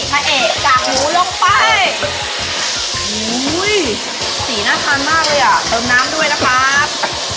ชะเอกกากหมูลงไปสีน่าทานมากเลยอ่ะเติมน้ำด้วยนะครับ